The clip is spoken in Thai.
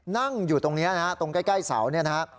นั่งอยู่ตรงนี้นะฮะตรงใกล้เสาเนี่ยนะฮะ